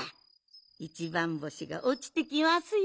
いちばんぼしがおちてきますよ。